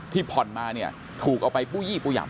ผ่อนมาเนี่ยถูกเอาไปปู้ยี่ปู้ยำ